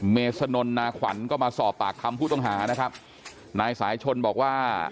เมษนนนาขวัญก็มาสอบปากคำผู้ต้องหานะครับนายสายชนบอกว่า